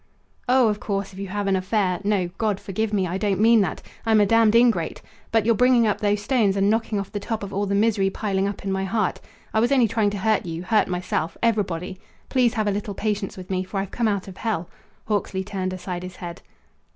"Oh, of course, if you have an affair No, God forgive me, I don't mean that! I'm a damned ingrate! But your bringing up those stones and knocking off the top of all the misery piling up in my heart! I was only trying to hurt you, hurt myself, everybody. Please have a little patience with me, for I've come out of hell!" Hawksley turned aside his head.